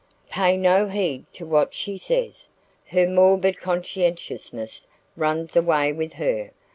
"Pay no heed to what she says. Her morbid conscientiousness runs away with her.